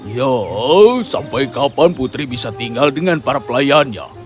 ya sampai kapan putri bisa tinggal dengan para pelayannya